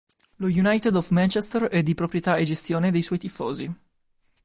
Lo United of Manchester è di proprietà e gestione dei suoi tifosi.